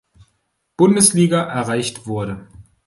Bundesliga erreicht wurde.